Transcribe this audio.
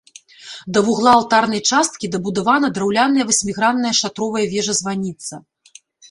Да вугла алтарнай часткі дабудавана драўляная васьмігранная шатровая вежа-званіца.